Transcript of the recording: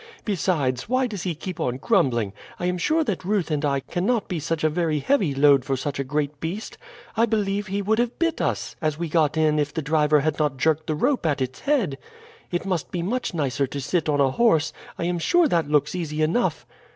Besides, why does he keep on grumbling? I am sure that Ruth and I cannot be such a very heavy load for such a great beast. I believe he would have bit us as we got in if the driver had not jerked the rope at its head. It must be much nicer to sit on a horse. I am sure that looks easy enough."